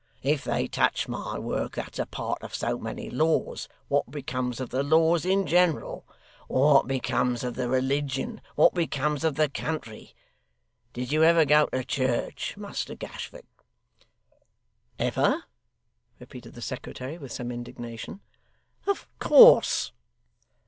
If they touch my work that's a part of so many laws, what becomes of the laws in general, what becomes of the religion, what becomes of the country! Did you ever go to church, Muster Gashford?' 'Ever!' repeated the secretary with some indignation; 'of course.